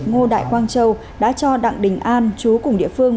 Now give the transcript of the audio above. ngô đại quang châu đã cho đặng đình an chú cùng địa phương